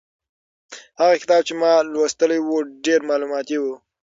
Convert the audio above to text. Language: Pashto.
هغه کتاب چې ما لوستلی و ډېر مالوماتي و.